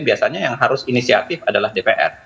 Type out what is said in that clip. biasanya yang harus inisiatif adalah dpr